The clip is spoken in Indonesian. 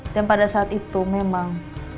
dan pada saat itu memang